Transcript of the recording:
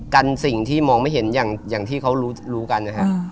กันสิ่งที่มองไม่เห็นอย่างที่เขารู้กันนะฮะ